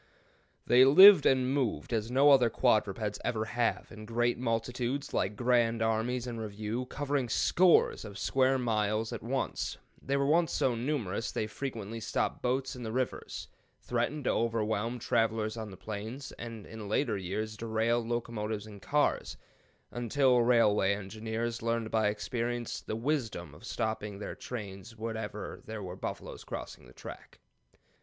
They lived and moved as no other quadrupeds ever have, in great multitudes, like grand armies in review, covering scores of square miles at once. They were so numerous they frequently stopped boats in the rivers, threatened to overwhelm travelers on the plains, and in later years derailed locomotives and cars, until railway engineers learned by experience the wisdom of stopping their trains whenever there were buffaloes crossing the track.